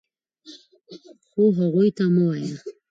خو هغوی ته مه وایه .